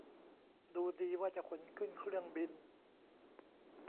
ดูดี ว่าจะขนขึ้นเครื่องบิน